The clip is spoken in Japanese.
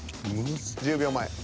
１０秒前。